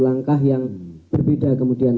langkah yang berbeda kemudian